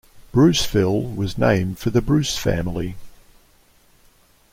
Bruceville was named for the Bruce family.